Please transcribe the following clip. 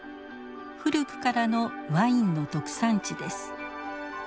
古くからのワインの特産地です。